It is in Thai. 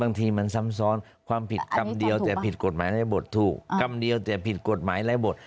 บางทีมันซ้ำซ้อนความผิดกรรมเดียวแต่ผิดกฎหมายในบทถูกกรรมเดียวแต่ผิดกฎหมายไร้บท